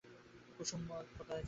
কুমুদ বলে, কোথায় যাবে?